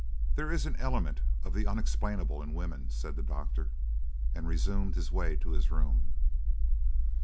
"There is an element of the unexplainable in woman," said the doctor, and resumed his way to his room.